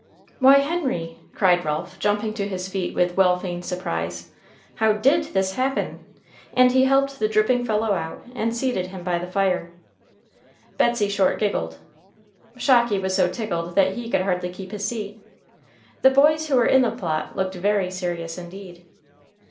"Why, Henry!" cried Ralph, jumping to his feet with well feigned surprise. "How did this happen?" him by the fire. Betsey Short giggled. Shocky was so tickled that he could hardly keep his seat. The boys who were in the plot looked very serious indeed.